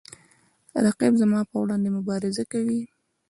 رقیب زما په وړاندې مبارزه کوي